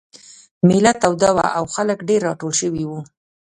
مېله توده وه او خلک ډېر راټول شوي وو.